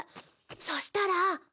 そしたら。